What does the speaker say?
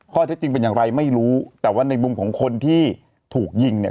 ข้อเท็จจริงเป็นอย่างไรไม่รู้แต่ว่าในมุมของคนที่ถูกยิงเนี่ย